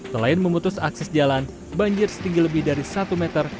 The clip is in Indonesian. selain memutus akses jalan banjir setinggi lebih dari satu meter